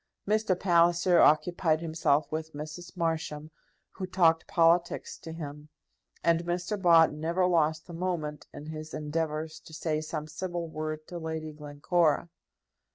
Mr. Palliser occupied himself with Mrs. Marsham, who talked politics to him; and Mr. Bott never lost a moment in his endeavours to say some civil word to Lady Glencora.